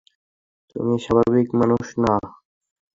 আমি স্বাভাবিক মানুষ না।